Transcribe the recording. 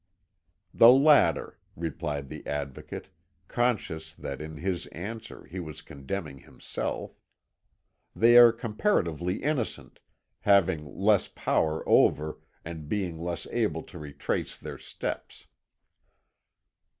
"The latter," replied the Advocate, conscious that in his answer he was condemning himself; "they are comparatively innocent, having less power over, and being less able to retrace their steps."